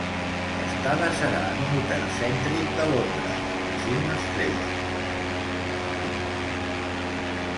L'estada serà en un hotel cèntric de Londres, de cinc estrelles.